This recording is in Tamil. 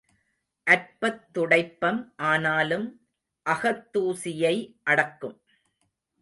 அற்பத் துடைப்பம் ஆனாலும் அகத் தூசியை அடக்கும்.